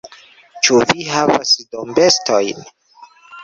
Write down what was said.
Ĉu vi havas dombestojn?